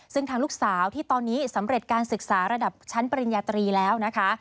ซึ่งทางลูกสาวที่ตอนนี้สำเร็จการศึกษาระดับชั้นปริญญาตรีแล้วนะคะ